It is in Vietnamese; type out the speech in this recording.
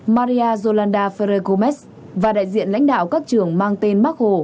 maria yolanda ferregomes và đại diện lãnh đạo các trường mang tên bác hồ